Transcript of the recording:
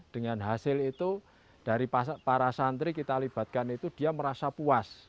dengan hasil itu dari para santri kita libatkan itu dia merasa puas